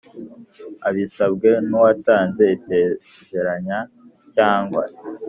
abisabwe n uwatanze isezeranya cyangwa